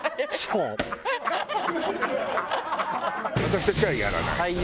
私たちはやらない。